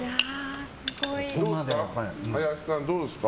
林さん、どうですか？